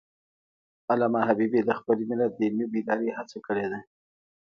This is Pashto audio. علامه حبیبي د خپل ملت د علمي بیدارۍ هڅه کړی ده.